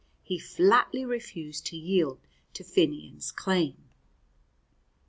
He flatly refused to yield to Finnian's claim.